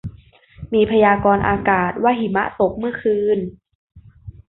มีพยากรณ์อากาศว่าหิมะตกเมื่อคืน